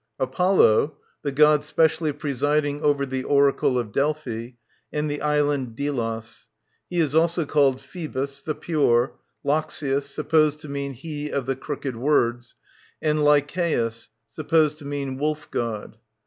Apollo, the God specially presiding over the oracle of Delphi and the island Delos : he is also called Phoebus, the pure ; LoxiAS, supposed to mean '^He of the Crooked Words" ; and Lykeios, supposed to mean " Wolf God."